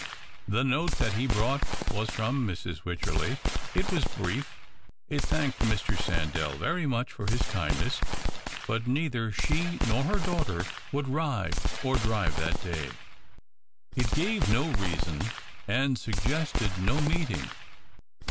The note that he brought was from ]\Irs. Wycherley. It was brief: it thanked ]\Ir. Sandell very much for his kindness, but neither she nor her daughter would ride or drive that day. 240 THE OCTAVE OP CLAUDIUS. It gave no reason, and suggested no meeting.